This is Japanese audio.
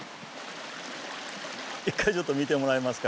一回ちょっと見てもらえますか？